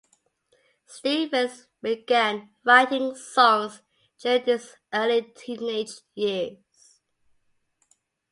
Stevens began writing songs during his early teenage years.